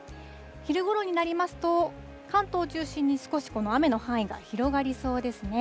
昼ごろになりますと、関東を中心に少し、この雨の範囲が広がりそうですね。